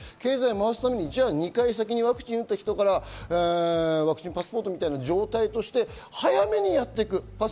そのために２回ワクチンを打った人からワクチンパスポートみたいなもので、早めにやっていく。